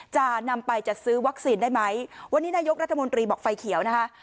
จะนำไปจัดซื้อวัคซีนได้ไหมวันนี้นายกรัฐมนตรีบอกไฟเขียวนะคะ